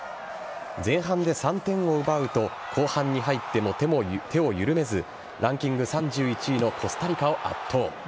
前半で３点を奪うと後半に入っても手を緩めず、ランキング３１位のコスタリカを圧倒。